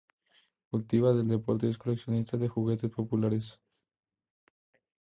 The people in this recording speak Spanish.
Cultiva el deporte y es coleccionista de juguetes populares.